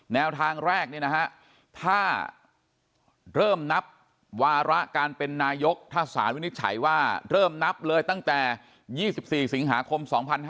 แนวทางแรกถ้าเริ่มนับวาระการเป็นนายกถ้าสารวินิจฉัยว่าเริ่มนับเลยตั้งแต่๒๔สิงหาคม๒๕๕๙